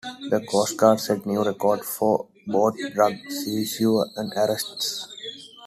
The Coast Guard set new records for both drug seizures and arrests.